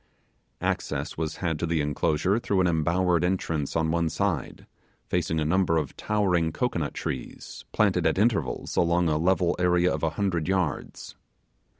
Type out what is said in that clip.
Access was had to the enclosure through an embowered entrance, on one side, facing a number of towering cocoanut trees, planted at intervals along a level area of a hundred yards.